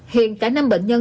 hiện cả năm bệnh nhân